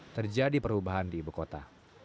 terjadi perubahan di ibu kota